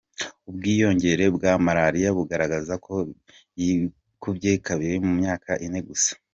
Ubu bwiyongere bwa Malaria bugaragaza ko yikubye kabiri mu myaka ine gusa.